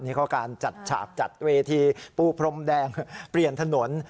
นี่เขาการจัดฉากจัดเวทีปูพรมแดงเปลี่ยนถนน